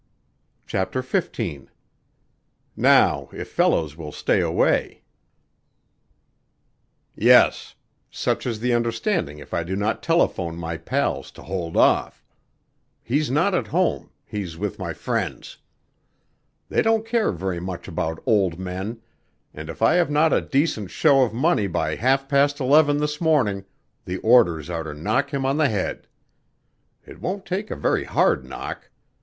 _" CHAPTER XV "Now, if Fellows will stay away" "Yes. Such is the understanding if I do not telephone my pals to hold off. He's not at home; he's with my friends. They don't care very much about old men, and if I have not a decent show of money by half past eleven this morning the orders are to knock him on the head. It won't take a very hard knock.